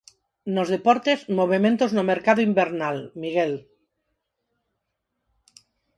Nos deportes, movementos no mercado invernal, Miguel.